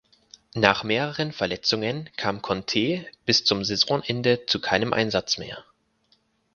Nach mehreren Verletzungen kam Conteh bis zum Saisonende zu keinem Einsatz mehr.